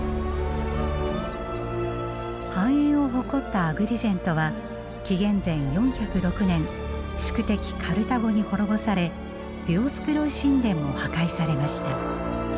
繁栄を誇ったアグリジェントは紀元前４０６年宿敵カルタゴに滅ぼされディオスクロイ神殿も破壊されました。